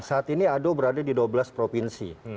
saat ini ado berada di dua belas provinsi